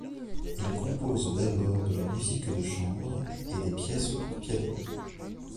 Il compose d'abord de la musique de chambre et des pièces pour piano.